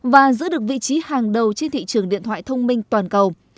và giữ được vị trí hàng đầu trên thị trường điện thoại thông minh toàn cầu